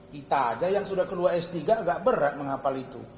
kita aja yang sudah keluar s tiga agak berat menghapal itu